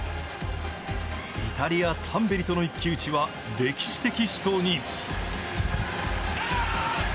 イタリア、タンベリとの一騎打ちは、歴史的死闘に。